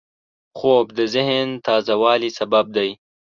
خوب د ذهن تازه والي سبب دی